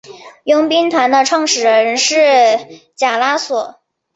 佣兵团的创始人是贾拉索。